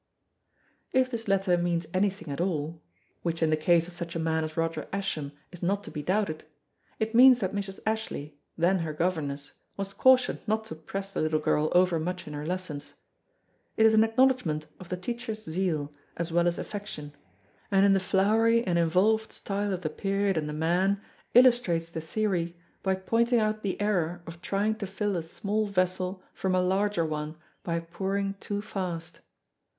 If this letter means anything at all which in the case of such a man as Roger Ascham is not to be doubted it means that Mrs. Ashley, then her governess, was cautioned not to press the little girl overmuch in her lessons. It is an acknowledgment of the teacher's zeal as well as affection, and in the flowery and involved style of the period and the man, illustrates the theory by pointing out the error of trying to fill a small vessel from a larger one by pouring too fast.